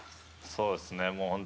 そうですね。